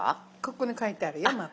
ここに書いてあるよ「マップ」。